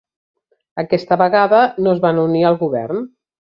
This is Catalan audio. Aquesta vegada no es van unir al govern.